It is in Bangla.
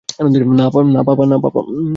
না, পাপা।